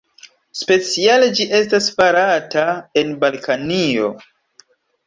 Speciale ĝi estas farata en Balkanio.